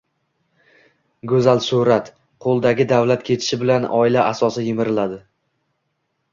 go‘zal surat, qo‘ldagi davlat ketishi bilan oila asosi yemiriladi.